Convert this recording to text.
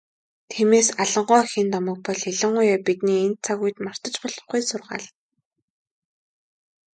Тиймээс, Алан гоо эхийн домог бол ялангуяа бидний энэ цаг үед мартаж болохгүй сургаал.